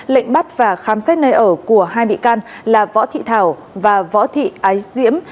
lệnh bắt và khám xét nơi ở của hai bị can là võ thị thảo và võ thị ái diễm